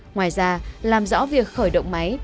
ngoài ra làm rõ việc khởi động máy